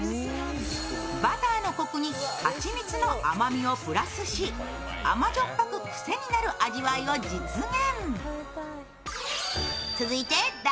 バターのこくに蜂蜜の甘さをプラスし甘じょっぱくくせになる味わいを実現。